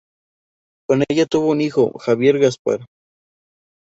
Con ella tuvo un hijo, Javier Gaspar.